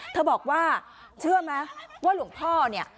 บอกว่าเชื่อไหมว่าหลวงพ่อเนี่ย